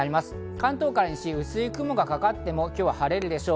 関東から西、薄い雲がかかっても今日は晴れるでしょう。